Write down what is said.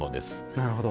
なるほど。